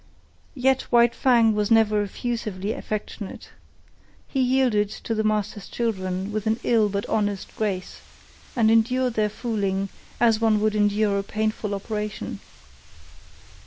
Yet White Fang was never effusively affectionate. He yielded to the master's children with an ill but honest grace, and endured their fooling as one would endure a painful operation.